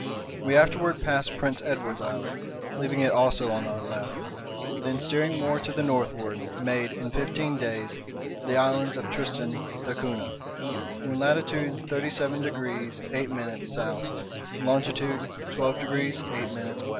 We afterward passed Prince Edward's Island, leaving it also on our left, then, steering more to the northward, made, in fifteen days, the islands of Tristan d'Acunha, in latitude 37 degrees 8' S, longitude 12 degrees 8' W.